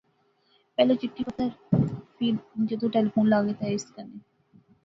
پہلے چٹھی پتر، فیر جدوں ٹیلیفون لاغے تے اس کنے